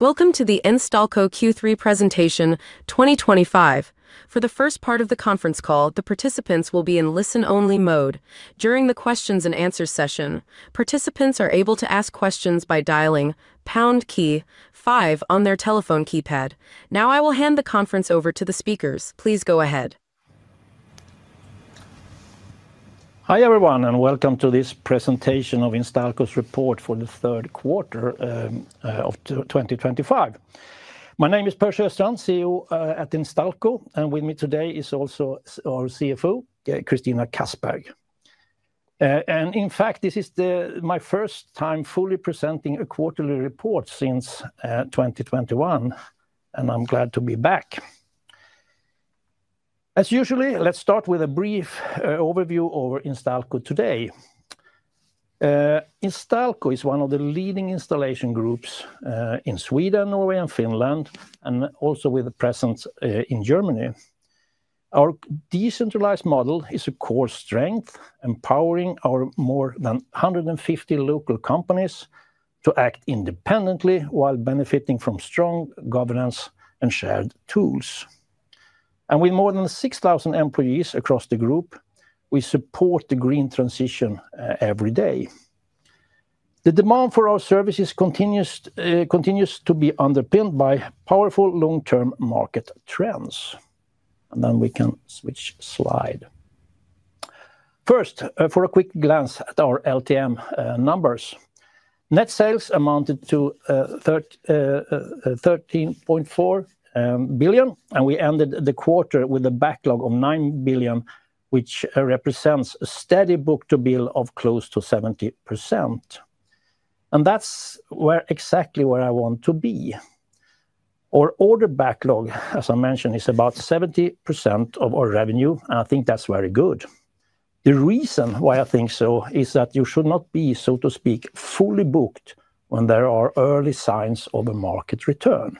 Welcome to the Instalco Q3 Presentation 2025. For the first part of the conference call, the participants will be in listen-only mode. During the questions and answers session, participants are able to ask questions by dialing Hash KEY-five on their telephone keypad. Now, I will hand the conference over to the speakers. Please go ahead. Hi everyone, and welcome to this presentation of Instalco's report for the third quarter of 2025. My name is Per Sjöstrand, CEO at Instalco, and with me today is also our CFO, Christina Kassberg. In fact, this is my first time fully presenting a quarterly report since 2021, and I'm glad to be back. As usual, let's start with a brief overview of our Instalco today. Instalco is one of the leading installation groups in Sweden, Norway, and Finland, and also with a presence in Germany. Our decentralized model is a core strength, empowering our more than 150 local companies to act independently while benefiting from strong governance and shared tools. With more than 6,000 employees across the group, we support the green transition every day. The demand for our services continues to be underpinned by powerful long-term market trends. Please switch slides. First, for a quick glance at our LTM numbers: net sales amounted to 13.4 billion, and we ended the quarter with a backlog of 9 billion, which represents a steady book-to-bill of close to 70%. That's exactly where I want to be. Our order backlog, as I mentioned, is about 70% of our revenue, and I think that's very good. The reason why I think so is that you should not be, so to speak, fully booked when there are early signs of a market return.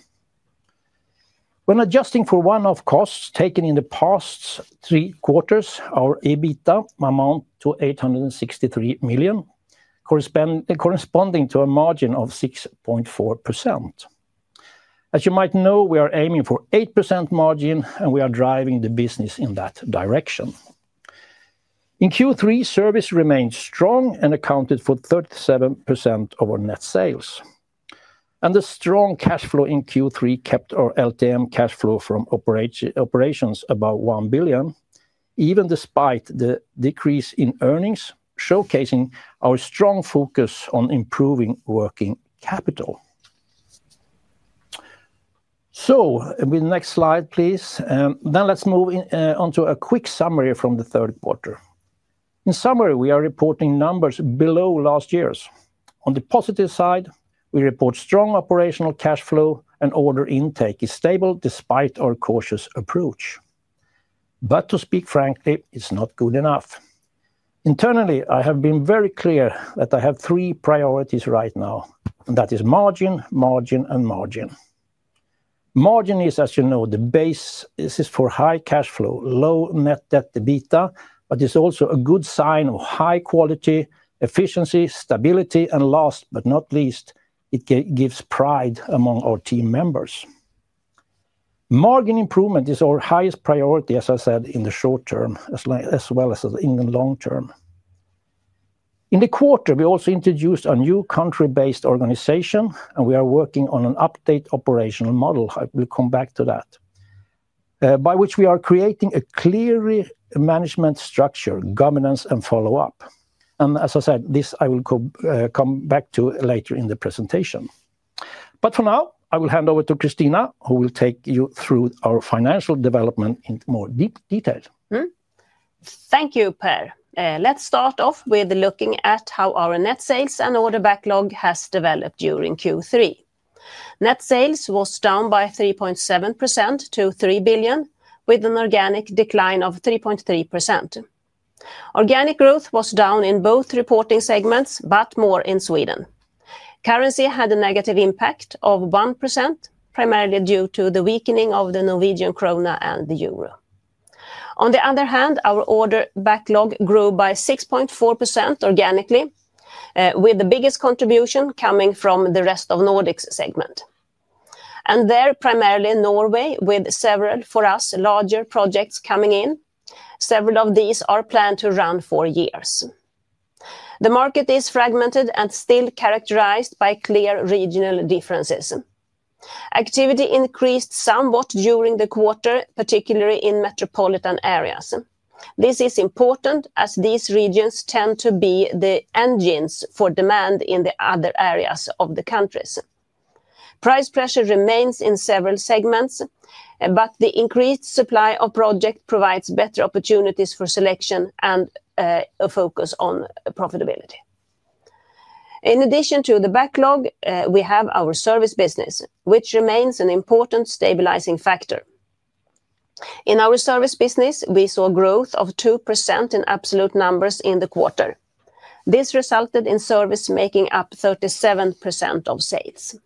When adjusting for one-off costs taken in the past three quarters, our EBITDA amounts to 863 million, corresponding to a margin of 6.4%. As you might know, we are aiming for an 8% margin, and we are driving the business in that direction. In Q3, service remained strong and accounted for 37% of our net sales. The strong cash flow in Q3 kept our LTM cash flow from operations above 1 billion, even despite the decrease in earnings, showcasing our strong focus on improving working capital. With the next slide, please. Moving on to a quick summary from the third quarter. In summary, we are reporting numbers below last year's. On the positive side, we report strong operational cash flow, and order intake is stable despite our cautious approach. To speak frankly, it's not good enough. Internally, I have been very clear that I have three priorities right now, and that is margin, margin, and margin. Margin is, as you know, the basis for high cash flow, low net debt to EBITDA, but it's also a good sign of high quality, efficiency, stability, and last but not least, it gives pride among our team members. Margin improvement is our highest priority, as I said, in the short term as well as in the long term. In the quarter, we also introduced a new country-based organization, and we are working on an updated operational model. I will come back to that, by which we are creating a clear management structure, governance, and follow-up. As I said, this I will come back to later in the presentation. For now, I will hand over to Christina, who will take you through our financial development in more detail. Thank you, Per. Let's start off with looking at how our net sales and order backlog have developed during Q3. Net sales were down by 3.7% to 3 billion, with an organic decline of 3.3%. Organic growth was down in both reporting segments, but more in Sweden. Currency had a negative impact of 1%, primarily due to the weakening of the Norwegian krona and the euro. On the other hand, our order backlog grew by 6.4% organically, with the biggest contribution coming from the rest of the Nordics segment. There, primarily Norway, with several, for us, larger projects coming in. Several of these are planned to run for years. The market is fragmented and still characterized by clear regional differences. Activity increased somewhat during the quarter, particularly in metropolitan areas. This is important as these regions tend to be the engines for demand in the other areas of the countries. Price pressure remains in several segments, but the increased supply of projects provides better opportunities for selection and a focus on profitability. In addition to the backlog, we have our service business, which remains an important stabilizing factor. In our service business, we saw growth of 2% in absolute numbers in the quarter. This resulted in service making up 37% of sales.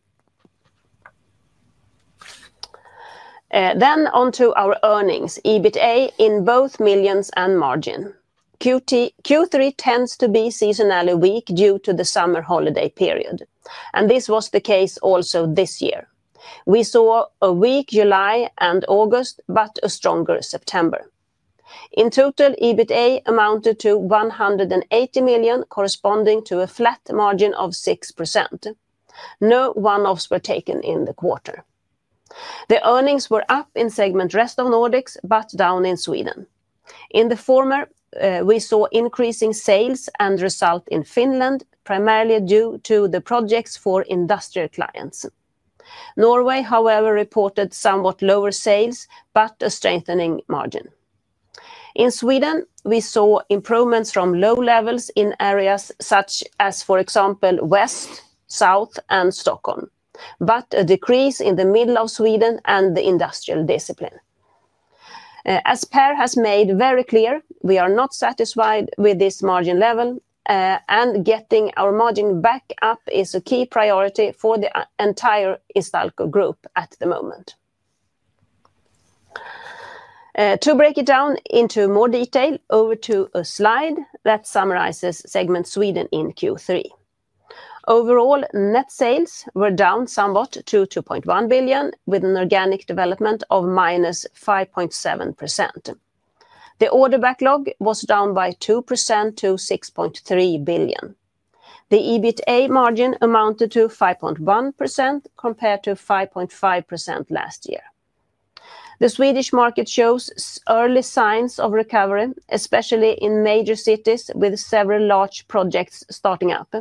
Onto our earnings, EBITDA in both millions and margin. Q3 tends to be seasonally weak due to the summer holiday period, and this was the case also this year. We saw a weak July and August, but a stronger September. In total, EBITDA amounted to 180 million, corresponding to a flat margin of 6%. No one-offs were taken in the quarter. The earnings were up in the segment rest of Nordics, but down in Sweden. In the former, we saw increasing sales and results in Finland, primarily due to the projects for industrial clients. Norway, however, reported somewhat lower sales, but a strengthening margin. In Sweden, we saw improvements from low levels in areas such as, for example, west, south, and Stockholm, but a decrease in the middle of Sweden and the industrial discipline. As Per has made very clear, we are not satisfied with this margin level, and getting our margin back up is a key priority for the entire Instalco group at the moment. To break it down into more detail, over to a slide that summarizes segment Sweden in Q3. Overall, net sales were down somewhat to 2.1 billion, with an organic development of -5.7%. The order backlog was down by 2% to 6.3 billion. The EBITDA margin amounted to 5.1% compared to 5.5% last year. The Swedish market shows early signs of recovery, especially in major cities with several large projects starting up.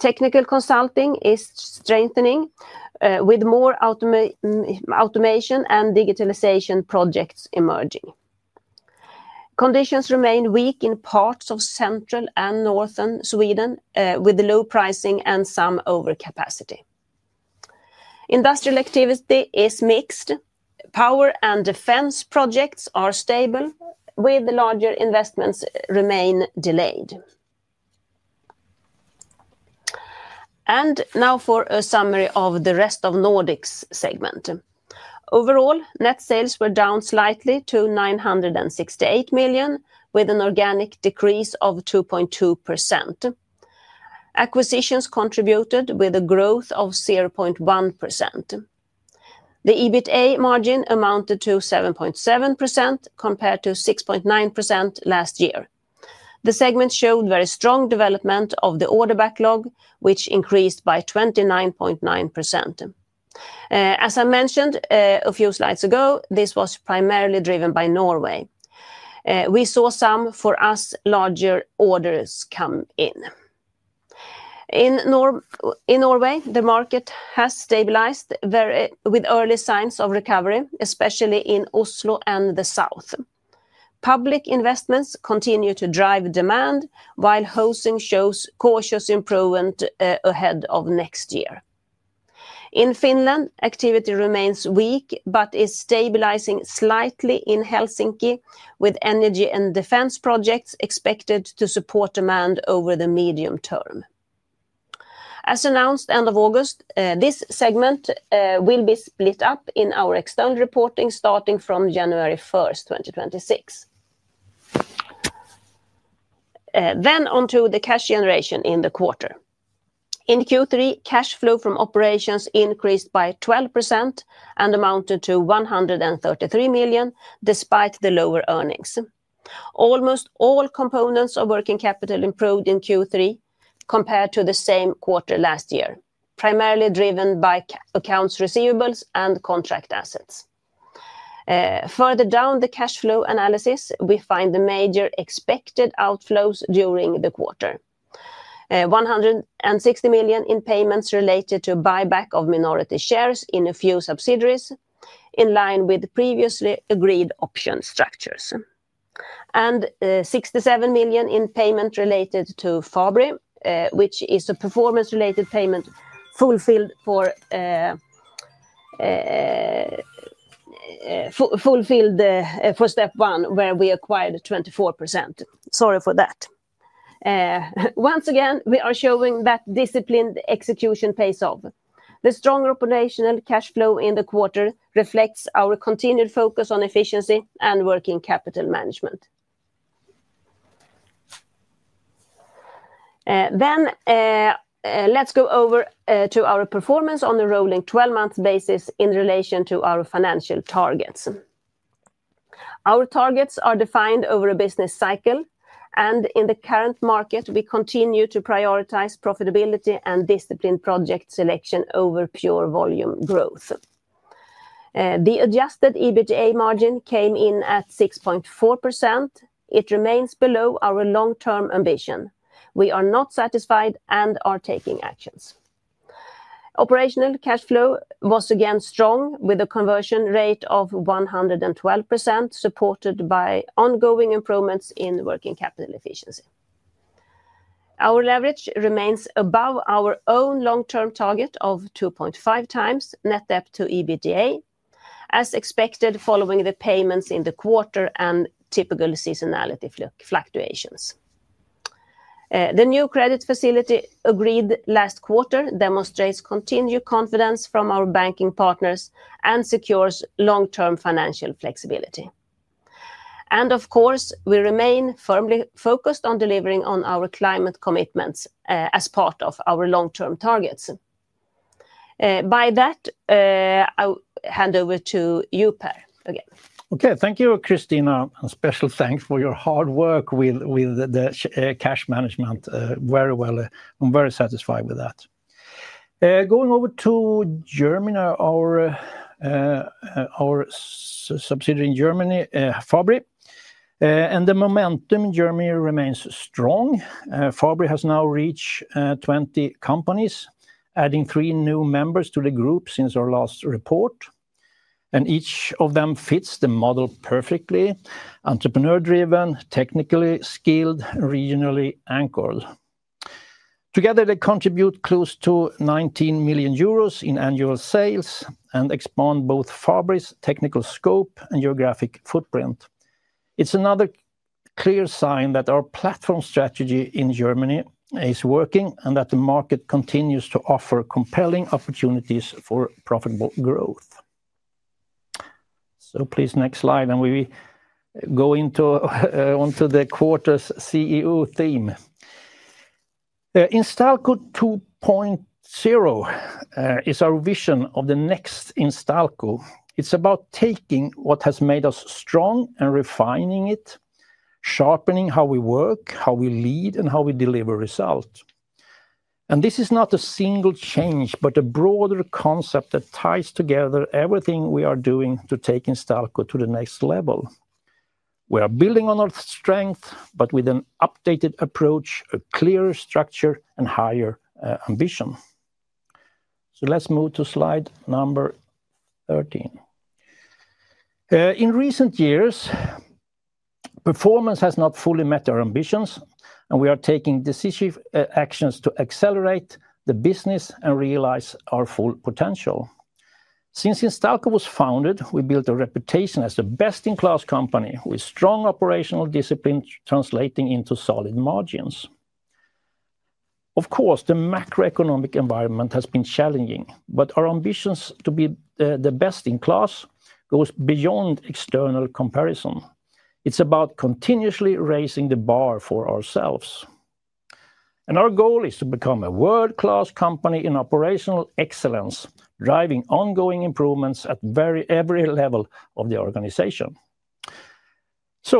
Technical consulting is strengthening, with more automation and digitalization projects emerging. Conditions remain weak in parts of central and northern Sweden, with low pricing and some overcapacity. Industrial activity is mixed. Power and defense projects are stable, with larger investments remaining delayed. Now, for a summary of the rest of the Nordics segment. Overall, net sales were down slightly to 968 million, with an organic decrease of 2.2%. Acquisitions contributed with a growth of 0.1%. The EBITDA margin amounted to 7.7% compared to 6.9% last year. The segment showed very strong development of the order backlog, which increased by 29.9%. As I mentioned a few slides ago, this was primarily driven by Norway. We saw some, for us, larger orders come in. In Norway, the market has stabilized with early signs of recovery, especially in Oslo and the south. Public investments continue to drive demand, while housing shows cautious improvement ahead of next year. In Finland, activity remains weak, but is stabilizing slightly in Helsinki, with energy and defense projects expected to support demand over the medium term. As announced end of August, this segment will be split up in our external reporting starting from January 1, 2026. Next, onto the cash generation in the quarter. In Q3, cash flow from operations increased by 12% and amounted to 133 million, despite the lower earnings. Almost all components of working capital improved in Q3 compared to the same quarter last year, primarily driven by accounts receivables and contract assets. Further down the cash flow analysis, we find the major expected outflows during the quarter: 160 million in payments related to buyback of minority shares in a few subsidiaries, in line with previously agreed option structures, and 67 million in payment related to Fabri, which is a performance-related payment fulfilled for step one, where we acquired 24%. Once again, we are showing that disciplined execution pays off. The strong operational cash flow in the quarter reflects our continued focus on efficiency and working capital management. Next, let's go over to our performance on a rolling 12-month basis in relation to our financial targets. Our targets are defined over a business cycle, and in the current market, we continue to prioritize profitability and disciplined project selection over pure volume growth. The adjusted EBITDA margin came in at 6.4%. It remains below our long-term ambition. We are not satisfied and are taking actions. Operational cash flow was again strong, with a conversion rate of 112%, supported by ongoing improvements in working capital efficiency. Our leverage remains above our own long-term target of 2.5x net debt to EBITDA, as expected following the payments in the quarter and typical seasonality fluctuations. The new credit facility agreed last quarter demonstrates continued confidence from our banking partners and secures long-term financial flexibility. Of course, we remain firmly focused on delivering on our climate commitments as part of our long-term targets. By that, I'll hand over to you, Per, again. Okay, thank you, Christina, and special thanks for your hard work with the cash management. Very well, I'm very satisfied with that. Going over to our subsidiary in Germany, Fabri. The momentum in Germany remains strong. Fabri has now reached 20 companies, adding three new members to the group since our last report. Each of them fits the model perfectly: entrepreneur-driven, technically skilled, regionally anchored. Together, they contribute close to €19 million in annual sales and expand both Fabri's technical scope and geographic footprint. It is another clear sign that our platform strategy in Germany is working and that the market continues to offer compelling opportunities for profitable growth. Please, next slide, and we go on to the quarter's CEO theme. Instalco 2.0 is our vision of the next Instalco. It's about taking what has made us strong and refining it, sharpening how we work, how we lead, and how we deliver results. This is not a single change but a broader concept that ties together everything we are doing to take Instalco to the next level. We are building on our strength, but with an updated approach, a clearer structure, and higher ambition. Let's move to slide number 13. In recent years, performance has not fully met our ambitions, and we are taking decisive actions to accelerate the business and realize our full potential. Since Instalco was founded, we built a reputation as the best-in-class company with strong operational discipline, translating into solid margins. Of course, the macroeconomic environment has been challenging, but our ambition to be the best in class goes beyond external comparison. It is about continuously raising the bar for ourselves. Our goal is to become a world-class company in operational excellence, driving ongoing improvements at every level of the organization.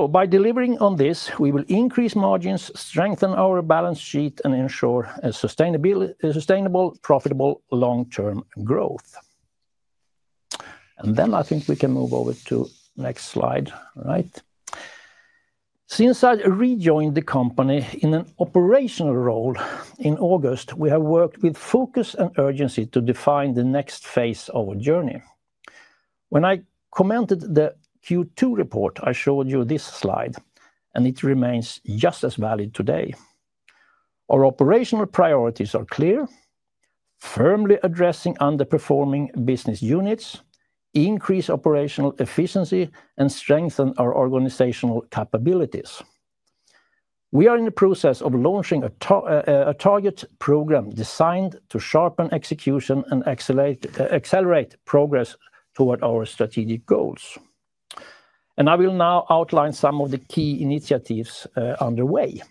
By delivering on this, we will increase margins, strengthen our balance sheet, and ensure sustainable, profitable long-term growth. I think we can move over to the next slide. Since I rejoined the company in an operational role in August, we have worked with focus and urgency to define the next phase of our journey. When I commented the Q2 report, I showed you this slide, and it remains just as valid today. Our operational priorities are clear, firmly addressing underperforming business units, increasing operational efficiency, and strengthening our organizational capabilities. We are in the process of launching a target program designed to sharpen execution and accelerate progress toward our strategic goals. I will now outline some of the key initiatives underway.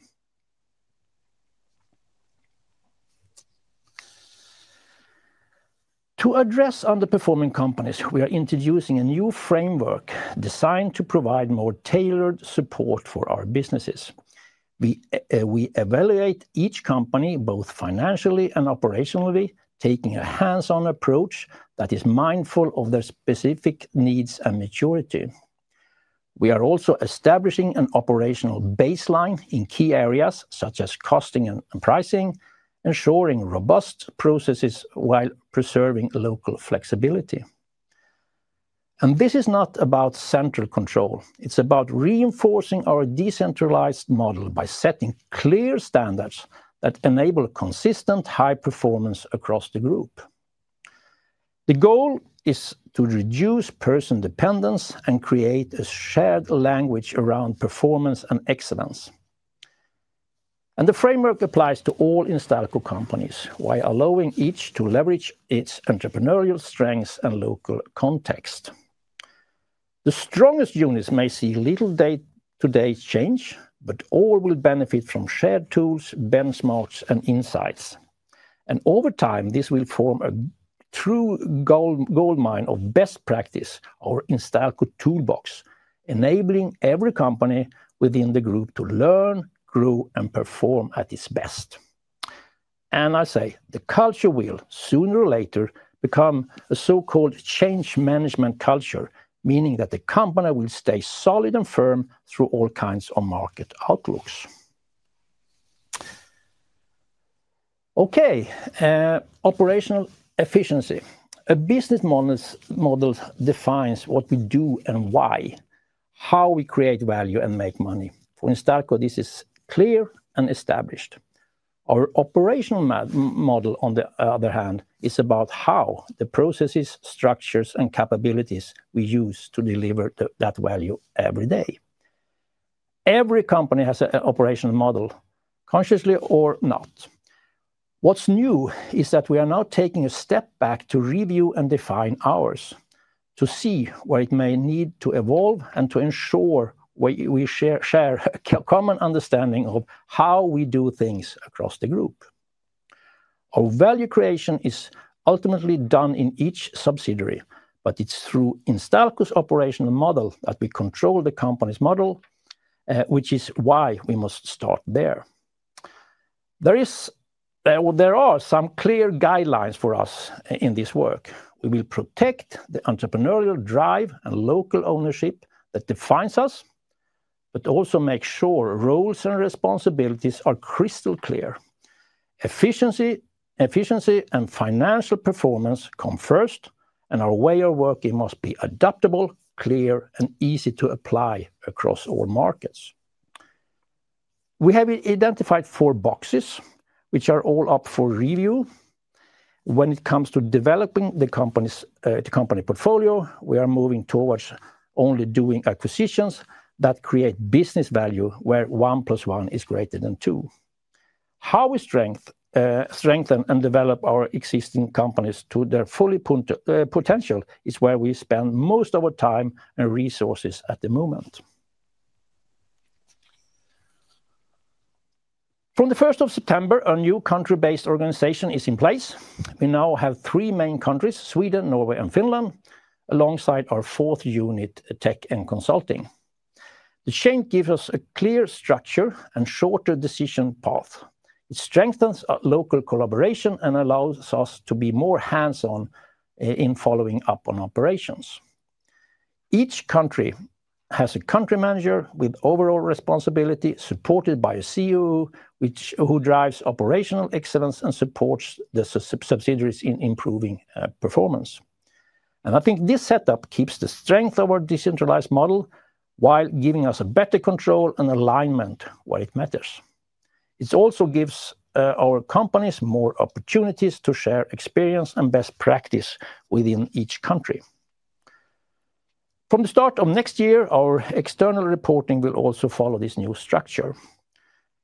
To address underperforming companies, we are introducing a new framework designed to provide more tailored support for our businesses. We evaluate each company both financially and operationally, taking a hands-on approach that is mindful of their specific needs and maturity. We are also establishing an operational baseline in key areas such as costing and pricing, ensuring robust processes while preserving local flexibility. This is not about central control, it's about reinforcing our decentralized model by setting clear standards that enable consistent high performance across the group. The goal is to reduce person dependence and create a shared language around performance and excellence. The framework applies to all Instalco companies, while allowing each to leverage its entrepreneurial strengths and local context. The strongest units may see little day-to-day change, but all will benefit from shared tools, benchmarks, and insights. Over time, this will form a true goldmine of best practice, our Instalco toolbox, enabling every company within the group to learn, grow, and perform at its best. I say the culture will sooner or later become a so-called change management culture, meaning that the company will stay solid and firm through all kinds of market outlooks. Okay, operational efficiency. A business model defines what we do and why, how we create value and make money. For Instalco, this is clear and established. Our operational model, on the other hand, is about how the processes, structures, and capabilities we use to deliver that value every day. Every company has an operational model, consciously or not. What's new is that we are now taking a step back to review and define ours, to see where it may need to evolve and to ensure we share a common understanding of how we do things across the group. Our value creation is ultimately done in each subsidiary, but it's through Instalco's operational model that we control the company's model, which is why we must start there. There are some clear guidelines for us in this work. We will protect the entrepreneurial drive and local ownership that defines us, but also make sure roles and responsibilities are crystal clear. Efficiency and financial performance come first, and our way of working must be adaptable, clear, and easy to apply across all markets. We have identified four boxes, which are all up for review. When it comes to developing the company's portfolio, we are moving towards only doing acquisitions that create business value where one plus one is greater than two. How we strengthen and develop our existing companies to their full potential is where we spend most of our time and resources at the moment. From the 1st of September, a new country-based organization is in place. We now have three main countries: Sweden, Norway, and Finland, alongside our fourth unit, tech and consulting. The change gives us a clear structure and shorter decision path. It strengthens local collaboration and allows us to be more hands-on in following up on operations. Each country has a Country Manager with overall responsibility, supported by a CEO who drives operational excellence and supports the subsidiaries in improving performance. I think this setup keeps the strength of our decentralized model while giving us better control and alignment where it matters. It also gives our companies more opportunities to share experience and best practice within each country. From the start of next year, our external reporting will also follow this new structure.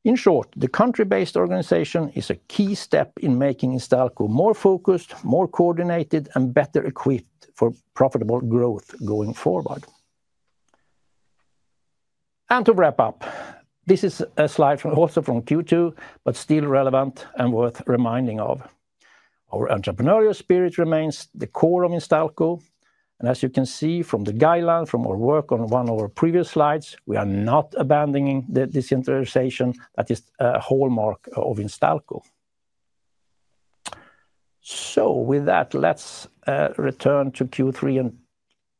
In short, the country-based organization is a key step in making Instalco AB more focused, more coordinated, and better equipped for profitable growth going forward. To wrap up, this is a slide also from Q2, but still relevant and worth reminding of. Our entrepreneurial spirit remains the core of Instalco AB, and as you can see from the guideline from our work on one of our previous slides, we are not abandoning the decentralization that is a hallmark of Instalco AB. With that, let's return to Q3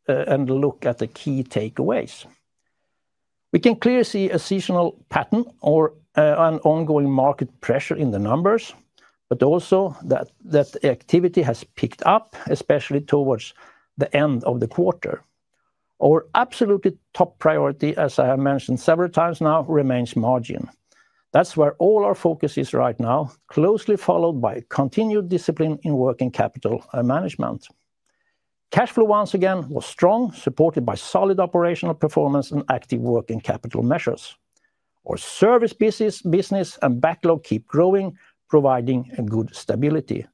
and look at the key takeaways. We can clearly see a seasonal pattern or an ongoing market pressure in the numbers, but also that activity has picked up, especially towards the end of the quarter. Our absolutely top priority, as I have mentioned several times now, remains margin. That's where all our focus is right now, closely followed by continued discipline in working capital management. Cash flow, once again, was strong, supported by solid operational performance and active working capital measures. Our service business and backlog keep growing, providing a good stability.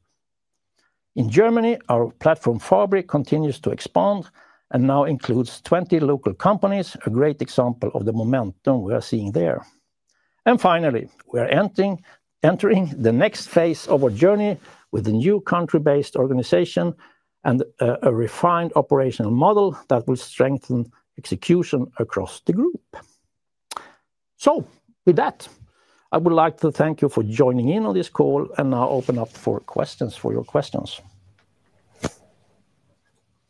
In Germany, our platform Fabri continues to expand and now includes 20 local companies, a great example of the momentum we are seeing there. Finally, we are entering the next phase of our journey with a new country-based organization and a refined operational model that will strengthen execution across the group. With that, I would like to thank you for joining in on this call and now open up for your questions.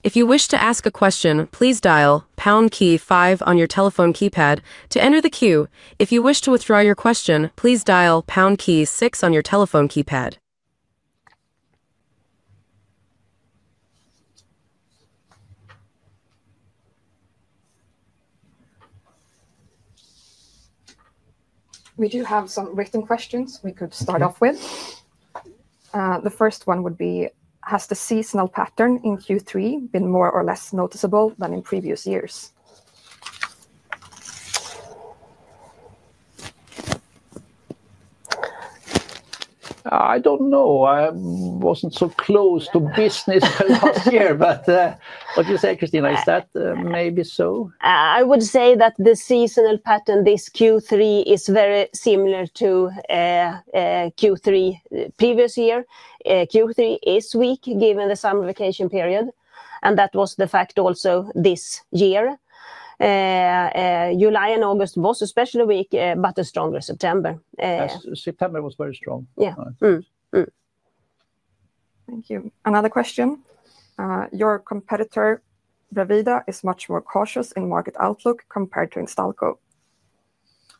If you wish to ask a question, please dial Hash KEY-five on your telephone keypad to enter the queue. If you wish to withdraw your question, please dial Hash KEY-6 on your telephone keypad. We do have some written questions we could start off with. The first one would be, has the seasonal pattern in Q3 been more or less noticeable than in previous years? I don't know. I wasn't so close to business last year, but what you say, Christina, is that maybe so? I would say that the seasonal pattern this Q3 is very similar to Q3 previous year. Q3 is weak given the summer vacation period, and that was the fact also this year. July and August were especially weak, but a stronger September. September was very strong. Thank you. Another question. Your competitor, Bravida, is much more cautious in market outlook compared to Instalco.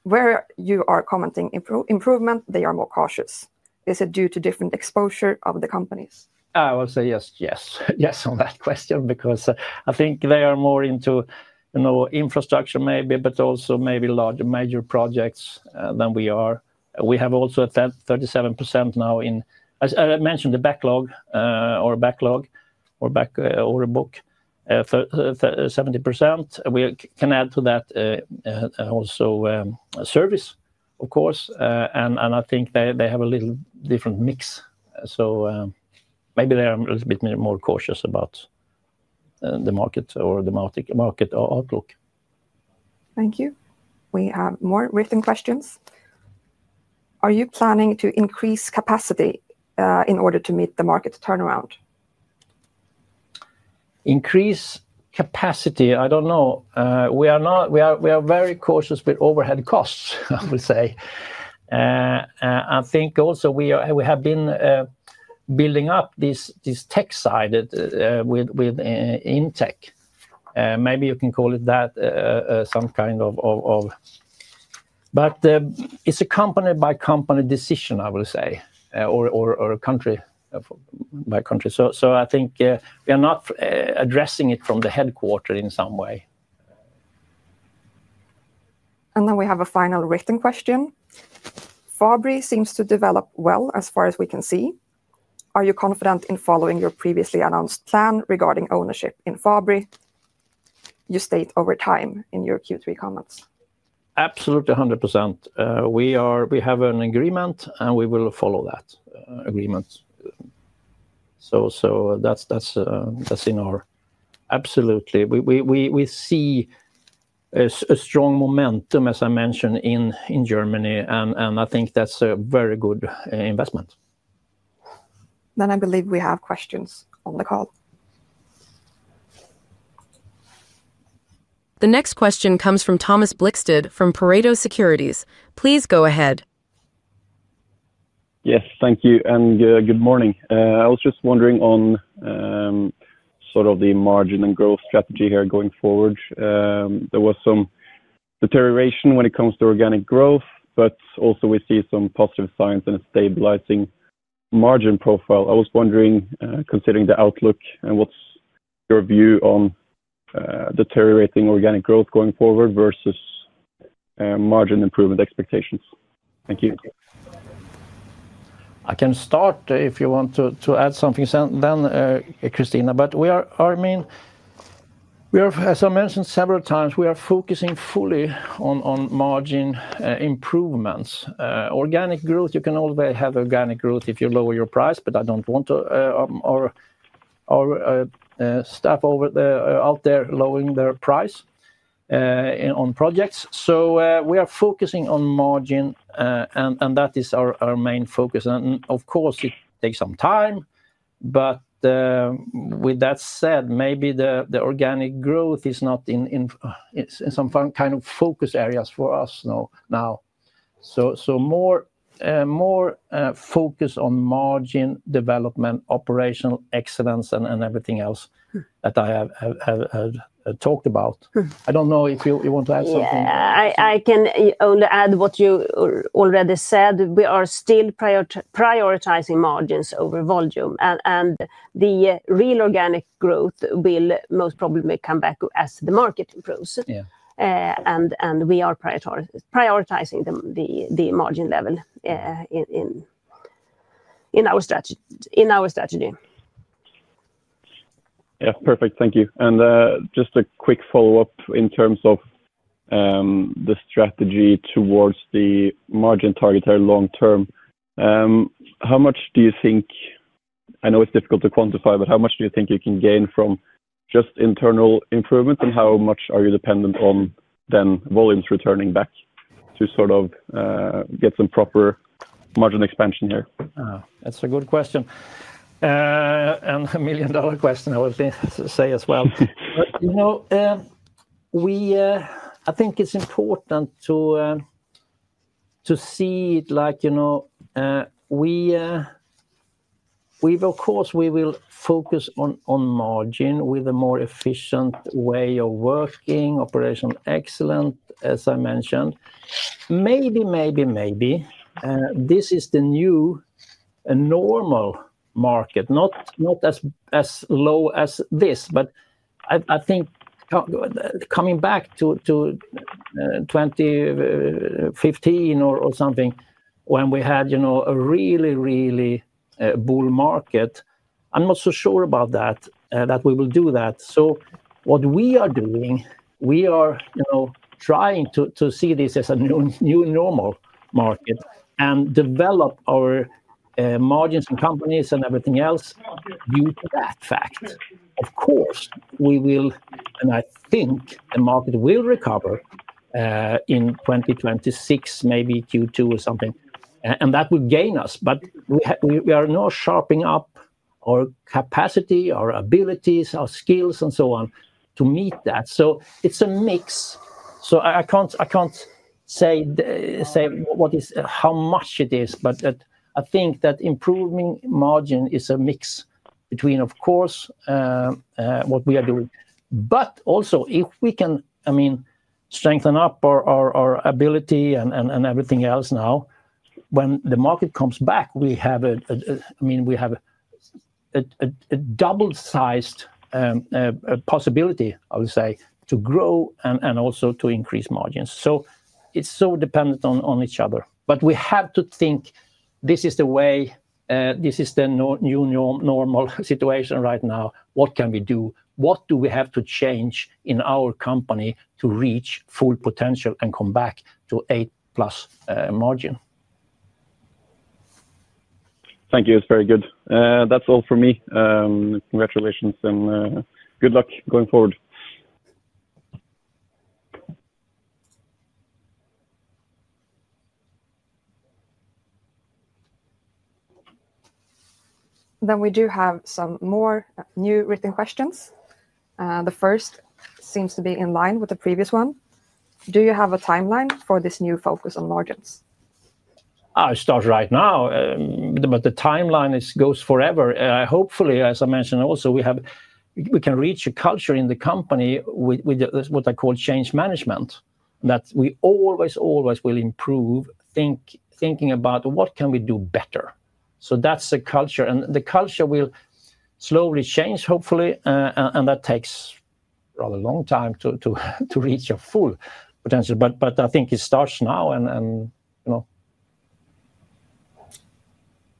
Where you are commenting improvement, they are more cautious. Is it due to different exposure of the companies? I will say yes, yes, yes on that question because I think they are more into, you know, infrastructure maybe, but also maybe larger major projects than we are. We have also a 37% now in, as I mentioned, the backlog or a backlog or a book for 70%. We can add to that also service, of course, and I think they have a little different mix. Maybe they are a little bit more cautious about the market or the market outlook. Thank you. We have more written questions. Are you planning to increase capacity in order to meet the market turnaround? Increase capacity, I don't know. We are very cautious with overhead costs, I will say. I think also we have been building up this tech side with Intech. Maybe you can call it that, some kind of, but it's a company-by-company decision, I will say, or country by country. I think we are not addressing it from the headquarter in some way. We have a final written question. Fabri seems to develop well as far as we can see. Are you confident in following your previously announced plan regarding ownership in Fabri? You state over time in your Q3 comments. Absolutely, 100%. We have an agreement, and we will follow that agreement. That's in our, absolutely. We see a strong momentum, as I mentioned, in Germany, and I think that's a very good investment. I believe we have questions on the call. The next question comes from Thomas Blikstad from Pareto Securities. Please go ahead. Yes, thank you, and good morning. I was just wondering on sort of the margin and growth strategy here going forward. There was some deterioration when it comes to organic growth, but also we see some positive signs and a stabilizing margin profile. I was wondering, considering the outlook, what's your view on deteriorating organic growth going forward versus margin improvement expectations? Thank you. I can start if you want to add something then, Christina, but we are, as I mentioned several times, we are focusing fully on margin improvements. Organic growth, you can always have organic growth if you lower your price, but I don't want our staff out there lowering their price on projects. We are focusing on margin, and that is our main focus. Of course, it takes some time. With that said, maybe the organic growth is not in some kind of focus areas for us now. More focus on margin development, operational excellence, and everything else that I have talked about. I don't know if you want to add something. I can only add what you already said. We are still prioritizing margins over volume, and the real organic growth will most probably come back as the market improves. We are prioritizing the margin level in our strategy. Yeah, perfect, thank you. Just a quick follow-up in terms of the strategy towards the margin target or long term. How much do you think, I know it's difficult to quantify, but how much do you think you can gain from just internal improvements, and how much are you dependent on then volumes returning back to sort of get some proper margin expansion here? That's a good question and a million-dollar question, I would say as well. I think it's important to see it like, you know, of course, we will focus on margin with a more efficient way of working, operational excellence, as I mentioned. Maybe this is the new normal market, not as low as this, but I think coming back to 2015 or something when we had a really, really bull market, I'm not so sure about that, that we will do that. What we are doing, we are trying to see this as a new normal market and develop our margins and companies and everything else due to that fact. Of course, we will, and I think the market will recover in 2026, maybe Q2 or something, and that will gain us, but we are not sharpening up our capacity, our abilities, our skills, and so on to meet that. It's a mix. I can't say what is how much it is, but I think that improving margin is a mix between, of course, what we are doing, but also if we can, I mean, strengthen up our ability and everything else now, when the market comes back, we have a double-sized possibility, I would say, to grow and also to increase margins. It's so dependent on each other, but we have to think this is the way, this is the new normal situation right now. What can we do? What do we have to change in our company to reach full potential and come back to 8%+ margin? Thank you, it's very good. That's all for me. Congratulations and good luck going forward. We do have some more new written questions. The first seems to be in line with the previous one. Do you have a timeline for this new focus on margins? I start right now, but the timeline goes forever. Hopefully, as I mentioned also, we can reach a culture in the company with what I call change management, that we always, always will improve, thinking about what can we do better. That's the culture, and the culture will slowly change, hopefully, and that takes a rather long time to reach your full potential, but I think it starts now.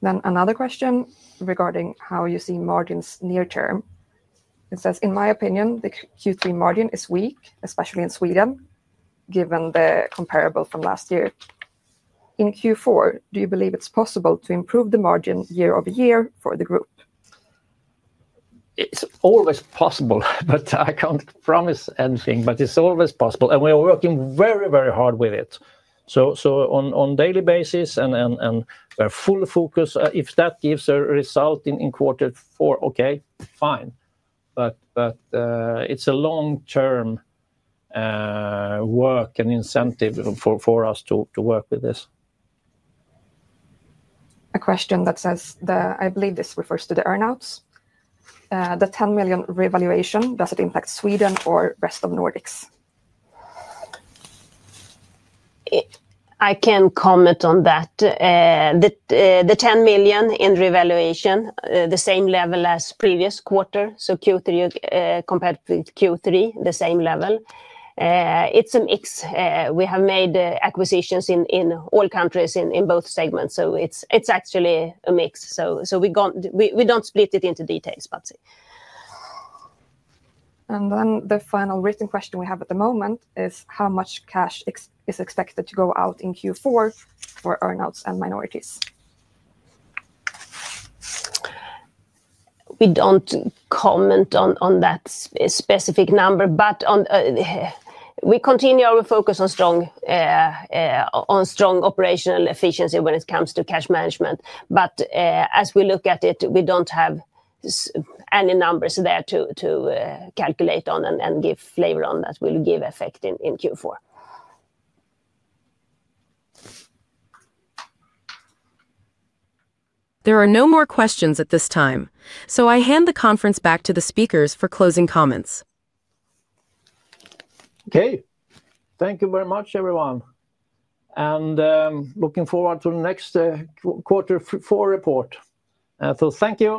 Another question regarding how you see margins near term. It says, in my opinion, the Q3 margin is weak, especially in Sweden, given the comparable from last year. In Q4, do you believe it's possible to improve the margin year over year for the group? It's always possible, but I can't promise anything. It's always possible, and we are working very, very hard with it on a daily basis and full focus. If that gives a result in quarter four, okay, fine, but it's a long-term work and incentive for us to work with this. A question that says, I believe this refers to the earnouts. The $10 million revaluation, does it impact Sweden or rest of Nordics? I can comment on that. The $10 million in revaluation, the same level as previous quarter, so Q3 compared to Q3, the same level. It's a mix. We have made acquisitions in all countries in both segments, so it's actually a mix. We don't split it into details. The final written question we have at the moment is how much cash is expected to go out in Q4 for earnouts and minorities? We don't comment on that specific number, we continue our focus on strong operational efficiency when it comes to cash management. As we look at it, we don't have any numbers there to calculate on and give flavor on that will give effect in Q4. There are no more questions at this time. I hand the conference back to the speakers for closing comments. Okay, thank you very much, everyone, and looking forward to the next quarter four report. Thank you.